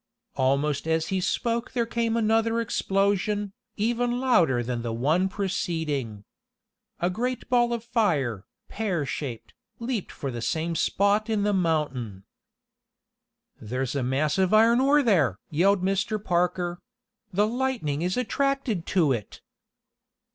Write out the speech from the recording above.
Almost as he spoke there came another explosion, even louder than the one preceding. A great ball of fire, pear shaped, leaped for the same spot in the mountain. "There's a mass of iron ore there!" yelled Mr. Parker. "The lightning is attracted to it!"